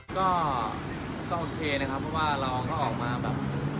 ก็โอเคนะครับเพราะว่าเราก็ออกมาแบบ